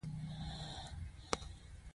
پښتو غني ژبه ده.